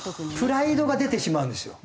プライドが出てしまうんですよ。